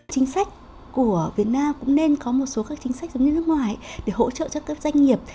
chính sách của việt nam cũng nên có một số các chính sách giống như nước ngoài để hỗ trợ cho các doanh nghiệp